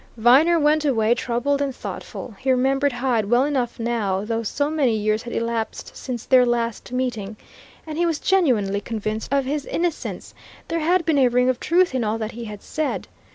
Viner went away troubled and thoughtful. He remembered Hyde well enough now, though so many years had elapsed since their last meeting. And he was genuinely convinced of his innocence: there had been a ring of truth in all that he had said.